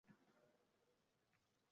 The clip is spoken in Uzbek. Ikkinchi, ikkinchi tur